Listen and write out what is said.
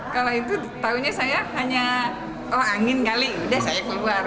kalau itu taunya saya hanya oh angin kali udah saya keluar